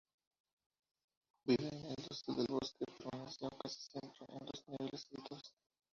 Vive en el dosel del bosque, permaneciendo casi siempre en los niveles altos.